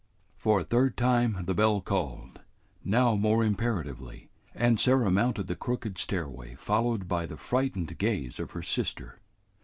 For a third time the bell called, now more imperatively, and Sarah mounted the crooked stairway followed by the frightened gaze of her sister.